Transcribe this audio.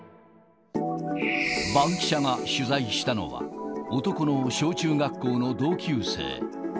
バンキシャが取材したのは、男の小中学校の同級生。